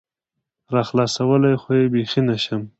راخلاصولى خو يې بيخي نشم